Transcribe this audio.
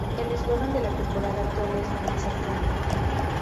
El eslogan de la temporada actual es "La más cercana".